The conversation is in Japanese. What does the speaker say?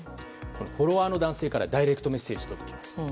フォロワーの男性からダイレクトメッセージが届きます。